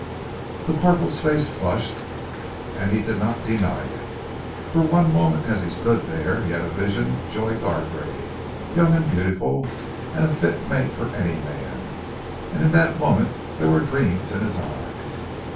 The corporal's face flushed, and he did not deny it. For one moment as he stood there, he had a vision of Joy Gargrave, young and beautiful and a fit mate for any man, and in that moment there were dreams in his eyes.